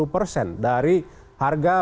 persen dari harga